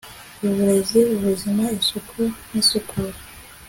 uburezi, ubuzima, isuku n'isukura